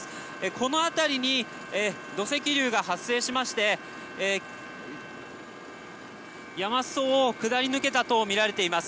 この辺りに土石流が発生しまして山裾を下り抜けたとみられています。